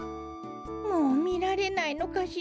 もうみられないのかしら。